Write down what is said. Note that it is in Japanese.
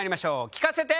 聞かせて！